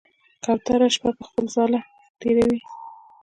کوتره شپه په خپل ځاله تېروي.